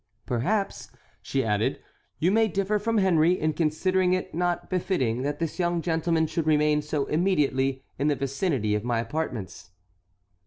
"Perhaps," she added, "you may differ from Henry, in considering it not befitting that this young gentleman should remain so immediately in the vicinity of my apartments."